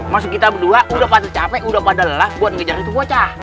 masuk kita berdua udah pada capek udah pada lelah buat ngejar itu bocah